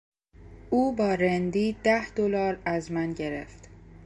او با رندی ده دلار از من گرفت.